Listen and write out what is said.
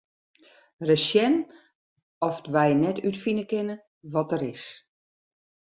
Ris sjen oft wy net útfine kinne wa't er is.